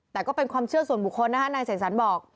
แต่ก็เป็นความเชื่อส่วนบุคคลนะคะนายเสกสรรบอก